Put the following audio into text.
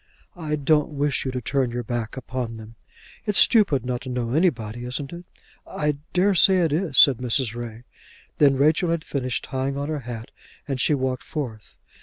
"I don't wish you to turn your back upon them." "It's stupid not to know anybody; isn't it?" "I dare say it is," said Mrs. Ray. Then Rachel had finished tying on her hat, and she walked forth.